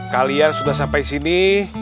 kalian sudah sampai sini